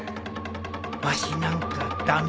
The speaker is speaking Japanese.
わしなんか駄目？